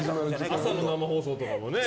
朝の生放送とかもね。